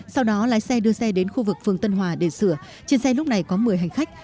sau đó lái xe đưa xe đến khu vực phường tân hòa để sửa trên xe lúc này có một mươi hành khách